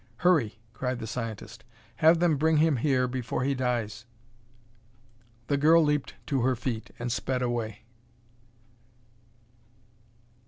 "Hurry!" cried the scientist. "Have them bring him here before he dies." The girl leaped to her feet and sped away.